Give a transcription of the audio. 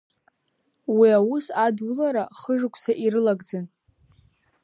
Уи аус адулара хы-шықәса ирылагӡан.